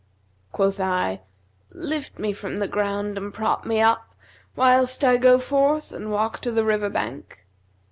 Quoth I, 'Lift me from the ground and prop me up, whilst I go forth and walk to the river bank.'